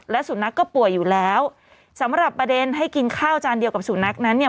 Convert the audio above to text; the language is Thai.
และสุนัขก็ป่วยอยู่แล้วสำหรับประเด็นให้กินข้าวจานเดียวกับสุนัขนั้นเนี่ย